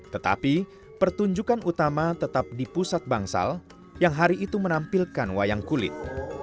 tetapi pertunjukan utama tetap di pusat bangsal yang hari itu menampilkan wayang kulit